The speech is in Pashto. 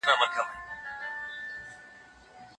هغه د خپلو محصولاتو لپاره د بازار په لټه کي دی.